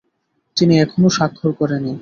তিনি এখনও স্বাক্ষর করেনি।